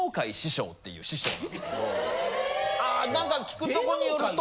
何か聞くとこによると。